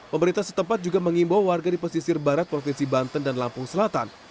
pemerintah setempat juga mengimbau warga di pesisir barat provinsi banten dan lampung selatan